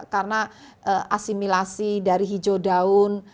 karena asimilasi dari hijau daun